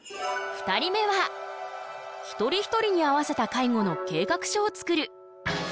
２人目は一人一人に合わせた介護の計画書を作る。